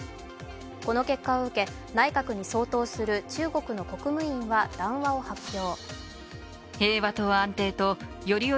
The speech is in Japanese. この結果を受け、内閣に相当する中国の国務院は談話を発表。